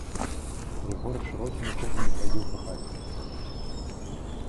Рыгор шырокімі крокамі хадзіў па хаце.